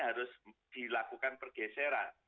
harus dilakukan pergeseran